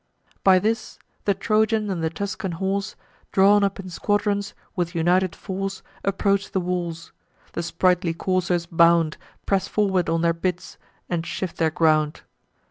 By this, the Trojan and the Tuscan horse, Drawn up in squadrons, with united force, Approach the walls: the sprightly coursers bound, Press forward on their bits, and shift their ground.